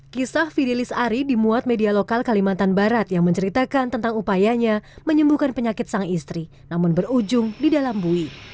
kisah fidelis ari dimuat media lokal kalimantan barat yang menceritakan tentang upayanya menyembuhkan penyakit sang istri namun berujung di dalam bui